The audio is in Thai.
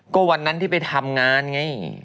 ก็วันนั้นที่ไปทำงานไง